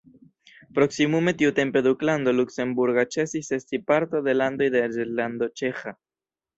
Proksimume tiutempe Duklando luksemburga ĉesis esti parto de landoj de Reĝlando ĉeĥa.